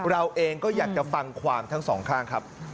เราเองก็อยากจะฟังความทั้งสองข้างครับ